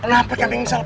kenapa kambing ini salah